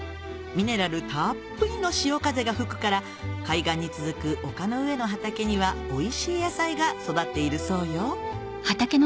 ミネラルたっぷりの潮風が吹くから海岸に続く丘の上の畑にはおいしい野菜が育っているそうよ